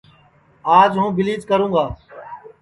آج ہوں بیلیچ کروں گا